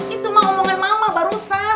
itu mah omongan mamah barusan